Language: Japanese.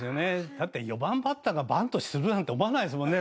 だって４番バッターがバントするなんて思わないですもんね